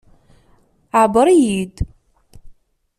Ԑebber-iyi-id.